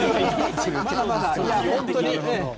まだまだ、本当に。